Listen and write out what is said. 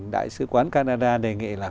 đại sứ quán canada đề nghị là